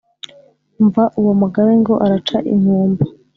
umva uwo mugabe ngo araca inkumba